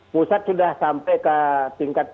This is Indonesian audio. pusat sudah sampai ke tingkat